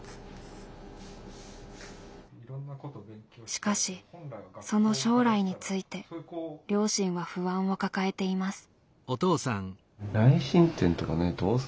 しかしその将来について両親は不安を抱えています。